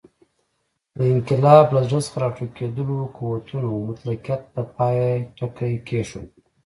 د انقلاب له زړه څخه راټوکېدلو قوتونو مطلقیت ته پای ټکی کېښود.